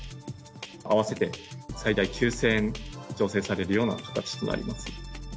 合わせて最大９０００円助成されるような形となります。